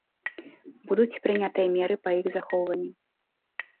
Будуць прынятыя меры па іх захоўванні.